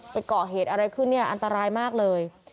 เกาะเหตุอะไรขึ้นเนี่ยอันตรายมากเลย